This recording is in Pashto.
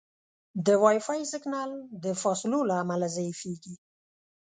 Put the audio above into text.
د وائی فای سګنل د فاصلو له امله ضعیفېږي.